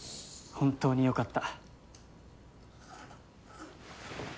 本当によかった。